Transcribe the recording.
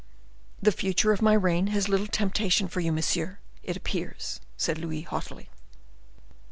"The future of my reign has little temptation for you, monsieur, it appears," said Louis, haughtily.